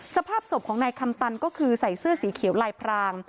สภาพศพของนายคำตันก็คือใส่เสื้อสีเขียวลายพราง